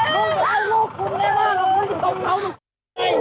สบายสบายสบายหนู